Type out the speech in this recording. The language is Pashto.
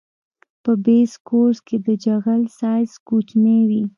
په بیس کورس کې د جغل سایز کوچنی وي